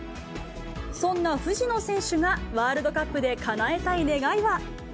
そんな藤野選手がワールドカップでかなえたい願いは。